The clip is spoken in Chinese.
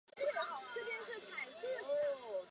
基督教是关乎我们头脑的事吗？